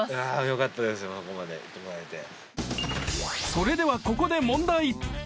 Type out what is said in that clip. ［それではここで問題］